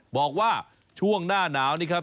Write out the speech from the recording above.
บอกว่าช่วงหน้าหนาวนี่ครับ